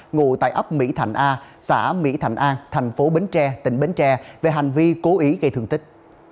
ngồi tại ấp mỹ thạnh a xã mỹ thạnh an thành phố bến tre tỉnh bến tre về hành vi cố ý gây thương tích